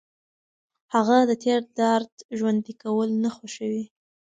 هغه د تېر درد ژوندي کول نه خوښول.